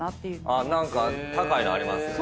何か高いのありますよね。